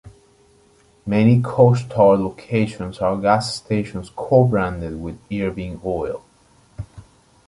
Many Couche-Tard locations are gas stations co-branded with Irving Oil.